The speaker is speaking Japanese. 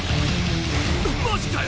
マジかよ！